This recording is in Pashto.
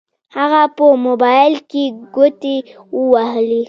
هغه په موبايل کې ګوتې ووهلې.